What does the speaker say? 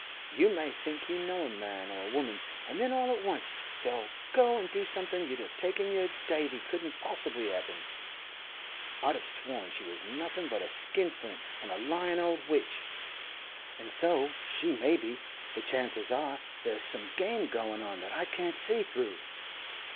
You may think you know a man or a woman, and then all at once they'll go and do something you'd have taken your davy couldn't possibly happen. I'd have sworn she was nothing but a skinflint and a lying old witch. And so she may be; the chances are there's some game going on that I can't see through.